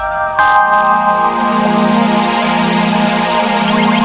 tidak bol turning